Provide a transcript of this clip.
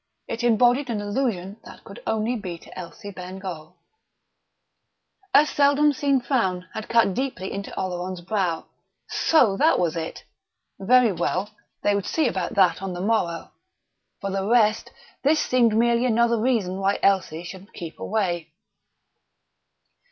It embodied an allusion that could only be to Elsie Bengough.... A seldom seen frown had cut deeply into Oleron's brow. So! That was it! Very well; they would see about that on the morrow.... For the rest, this seemed merely another reason why Elsie should keep away....